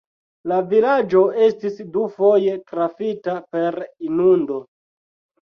La vilaĝo estis dufoje trafita per inundo.